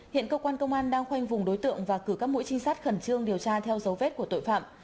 hiện cơ quan công an đang khoanh vùng đối tượng và cử các mũi trinh sát khẩn trương điều tra theo dấu vết của tội phạm